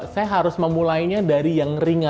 saya harus memulainya dari yang ringan